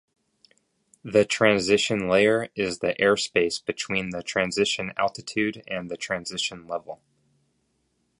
The transition layer is the airspace between the transition altitude and the transition level.